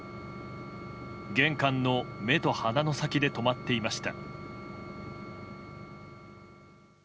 玄関の目と鼻の先で止まっていました。